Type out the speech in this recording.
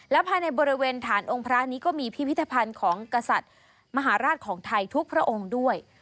ภายในบริเวณฐานองค์พระนี้ก็มีพิพิธภัณฑ์ของกษัตริย์มหาราชของไทยทุกพระองค์ด้วย